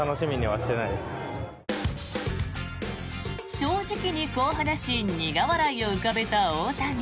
正直にこう話し苦笑いを浮かべた大谷。